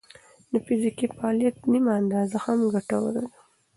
د فزیکي فعالیت نیمه اندازه هم ګټوره ده.